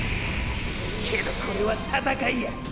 けどこれは戦いや！